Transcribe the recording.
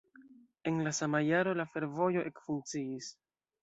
En la sama jaro la fervojo ekfunkciis.